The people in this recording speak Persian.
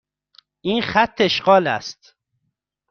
این خط اشغال است.